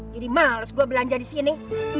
jadi males gua belanja di sini